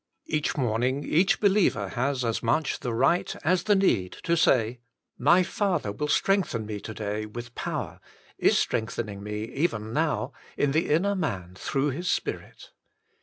Each morning each believer has as much the right as the need to say: My Father will strengthen me to day with power, is strengthening me even now, in the inner man through His Spirit.